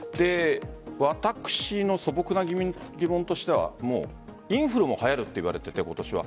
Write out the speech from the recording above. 私の素朴な疑問としてはインフルもはやるといわれていて今年は。